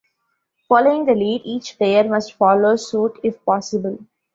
Following the lead, each player must follow suit if possible.